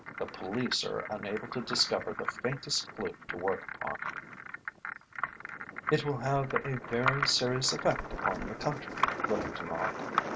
The police are unable to discover the faintest clue to work upon." "It will have a very serious effect upon the country, will it not?"